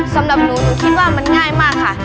สำหรับหนูหนูคิดว่ามันง่ายมากค่ะ